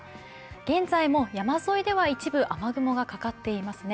現在も山沿いでは一部雨雲がかかっていますね。